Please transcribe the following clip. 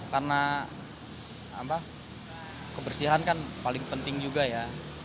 karena kebersihan kan paling penting juga ya